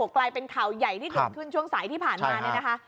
กลายเป็นข่าวใหญ่ที่ดูดขึ้นช่วงสายที่ผ่านมา